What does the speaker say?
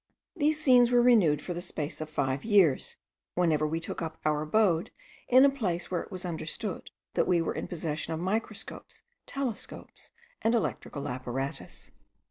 These scenes were renewed for the space of five years, whenever we took up our abode in a place where it was understood that we were in possession of microscopes, telescopes, and electrical apparatus.